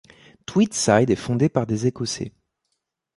Tweedside est fondé par des Écossais.